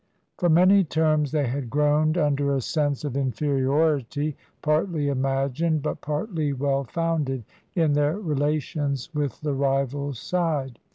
For many terms they had groaned under a sense of inferiority, partly imagined but partly well founded, in their relations with the rival side.